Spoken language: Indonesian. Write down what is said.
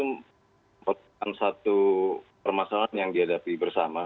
memang satu permasalahan yang dihadapi bersama